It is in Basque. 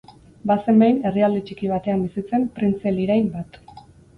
Bazen behin, herrialde txiki batean bizitzen, printze lirain bat.